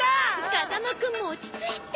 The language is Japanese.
風間くんも落ち着いて。